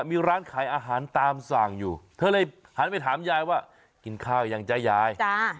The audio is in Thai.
มีร้านขายอาหารตามสั่งอยู่เธอเลยหันไปถามยายว่ากินข้าวยังจ๊ะยายจ้า